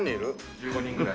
１５人ぐらい。